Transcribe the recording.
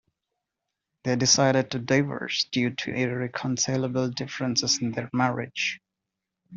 They decided to divorce due to irreconcilable differences in their marriage.